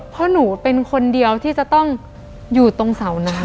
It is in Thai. เพราะหนูเป็นคนเดียวที่จะต้องอยู่ตรงเสาน้ำ